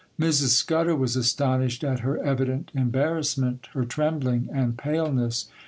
Mrs. Scudder was astonished at her evident embarrassment, her trembling, and paleness.